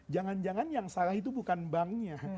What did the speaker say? jangan jangan yang salah itu bukan banknya